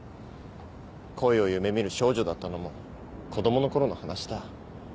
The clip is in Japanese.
恋を夢見る少女だったのも子供のころの話だ。